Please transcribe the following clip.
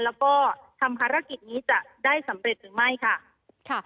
แล้วก็ทำภารกิจนี้จะได้สำเร็จหรือไม่ค่ะ